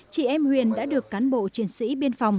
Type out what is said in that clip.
chị em huyền đã được cán bộ chiến sĩ biên phòng